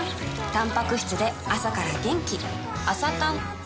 たんぱく質で朝から元気